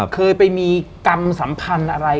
เคยไปมีกรรมสัมพันธ์อะไร